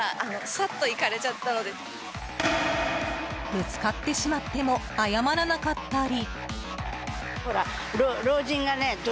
ぶつかってしまっても謝らなかったり。